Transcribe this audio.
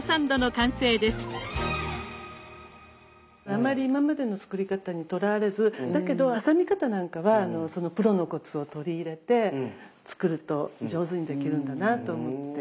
あまり今までの作り方にとらわれずだけど挟み方なんかはそのプロのコツを取り入れて作ると上手にできるんだなあと思って。